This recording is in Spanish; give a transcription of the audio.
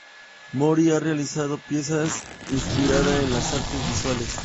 Mori ha realizado piezas inspirada en las artes visuales.